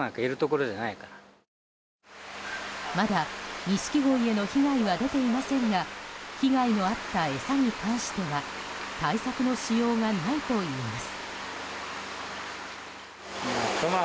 まだニシキゴイへの被害は出ていませんが被害のあった餌に関しては対策のしようがないといいます。